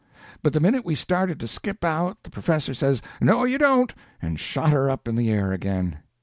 But the minute we started to skip out the professor says, "No, you don't!" and shot her up in the air again.